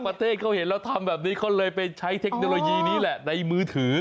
ประเทศเขาเห็นแล้วทำแบบนี้เขาเลยไปใช้เทคโนโลยีนี้แหละในมือถือ